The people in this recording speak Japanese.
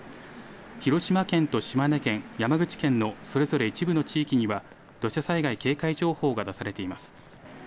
広島県と島根県、山口県のそれぞれ一部の地域には、土砂災害警戒情報が出されています。